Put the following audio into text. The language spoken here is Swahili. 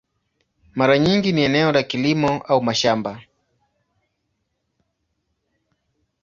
Mara nyingi ni eneo la kilimo au mashamba.